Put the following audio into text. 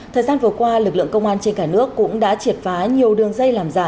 thời gian vừa qua lực lượng công an trên cả nước cũng đã triệt phá nhiều đường dây làm giả